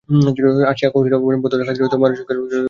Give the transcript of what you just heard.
আশা কহিল, ভদ্রতার খাতিরেও তো মানুষের সঙ্গে আলাপ করিতে হয়।